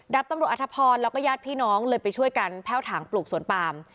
ับตำรวจอธพรแล้วก็ญาติพี่น้องเลยไปช่วยกันแพ่วถังปลูกสวนปาม